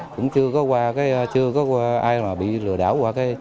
cũng chưa có ai bị lừa đảo